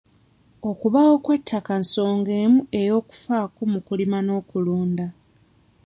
Okubaawo kw'ettaka nsonga emu ey'okufaako mu kulima n'okulunda.